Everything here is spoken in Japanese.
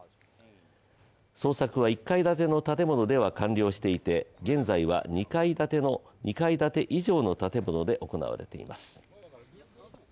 捜索は１階建ての建物では完了していて現在は２階建て以上の建物で行われています。